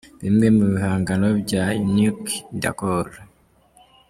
Bimwe mu bihangano bya Unique Décor.